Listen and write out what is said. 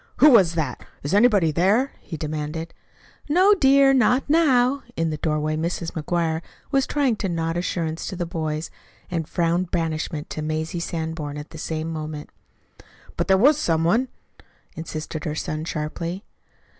"Who was that? Is anybody there?" he demanded. "No, dear, not now." In the doorway Mrs. McGuire was trying to nod assurance to the boys and frown banishment to Mazie Sanborn at one and the same moment. "But there was some one," insisted her son sharply.